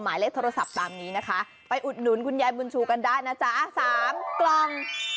หมายเลขโทรศัพท์ตามนี้นะคะไปอุดหนุนคุณยายบุญชูกันได้นะจ๊ะ๓กล่อง